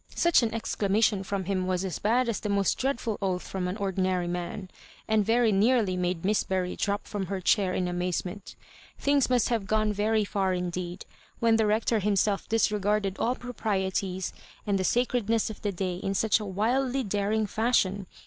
Such an exclamation from him was as bad as the most dreadful oaHi from an ordinary man, and very nearly made Miss Bury drop from her diair in amazement Things must have gone very £Eur indeed, when the Rector himse§ disreg8^*ded all proprieties and the sa credness of the day in such a wildly daring fash ion.